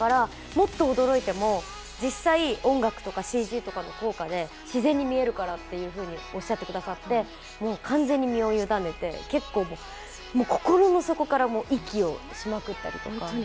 もっと驚いても、実際音楽とかＣＧの効果で自然に見えるからとおっしゃってくださって、完全に身を委ねて、結構心の底から息をしまくったりとか。